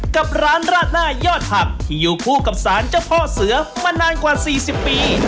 กับร้านราดหน้ายอดผักที่อยู่คู่กับสารเจ้าพ่อเสือมานานกว่า๔๐ปี